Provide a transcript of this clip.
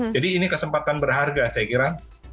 jadi ini kesempatan berharga saya kira